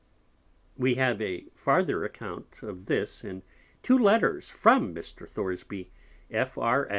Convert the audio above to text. We have a farther Account of this in two Letters from Mr. Thoresby, F.R.